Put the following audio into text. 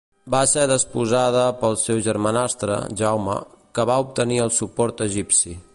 Va ser deposada pel seu germanastre, Jaume, que va obtenir el suport egipci.